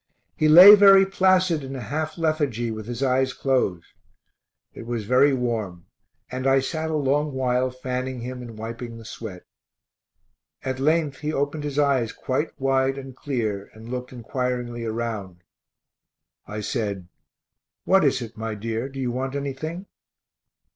He lay very placid in a half lethargy with his eyes closed. It was very warm, and I sat a long while fanning him and wiping the sweat. At length he opened his eyes quite wide and clear and looked inquiringly around. I said, "What is it, my dear? do you want anything?"